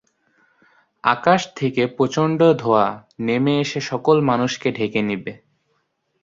আকাশ থেকে প্রচণ্ড ধোঁয়া নেমে এসে সকল মানুষকে ঢেকে নিবে।